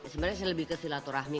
sebenarnya saya lebih ke silaturahmi